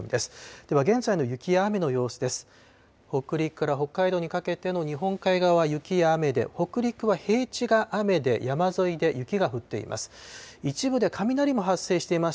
では現在の雪や雨の様子です。